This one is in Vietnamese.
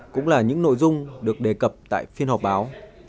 cũng là những nội dung được đề cập tại phiên họp báo